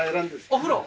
お風呂？